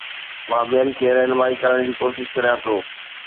مان ٻين جي رهنمائي ڪرڻ جي ڪوشش ڪريان ٿو